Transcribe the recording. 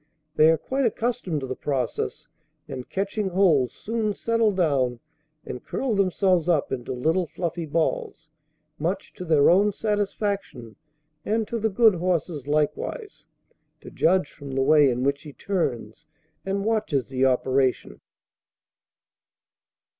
They are quite accustomed to the process, and, catching hold, soon settle down and curl themselves up into little fluffy balls, much to their own satisfaction and to the good horse's likewise, to judge from the way in which he turns and watches the operation."